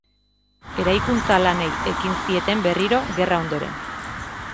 Eraikuntza-lanei ekin zieten berriro gerra ondoren.